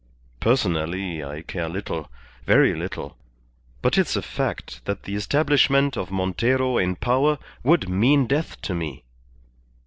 Personally, I care little, very little; but it's a fact that the establishment of Montero in power would mean death to me.